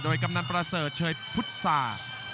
โดยกำนันประเสริฐเชยพุษา